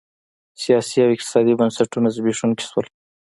سیاسي او اقتصادي بنسټونه زبېښونکي شول.